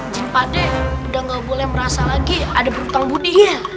jin pak d sudah tidak boleh merasa lagi ada berhutang budi